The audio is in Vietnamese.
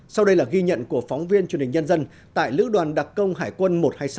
sau đây là ghi nhận của phóng viên truyền hình nhân dân tại lữ đoàn đặc công hải quân một trăm hai mươi sáu